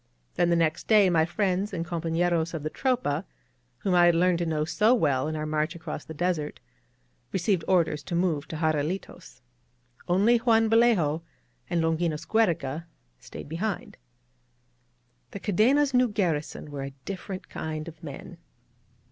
Then the next day my friends and compafLeros of the Tropa, whom I had learned to know so well in our march across the desert, received orders to move to Jarralitos. Only Juan Vallejo and Longinos Giiereca stayed behind. The Cadena's new garrison were a difi^erent kind of men.